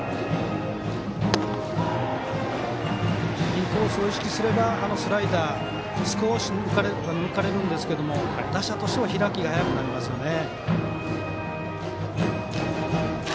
インコースを意識すればスライダー少し抜かれるんですけど打者としては開きが早くなりますよね。